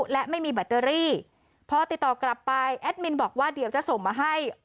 และไม่มีแบตเตอรี่พอติดต่อกลับไปแอดมินบอกว่าเดี๋ยวจะส่งมาให้